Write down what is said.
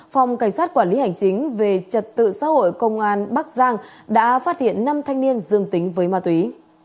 phòng cảnh sát quản lý hành chính về trật tự xã hội công an bắc giang đã phát hiện năm thanh niên dương tính với ma túy